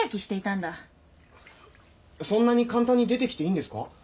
そんなに簡単に出てきていいんですか？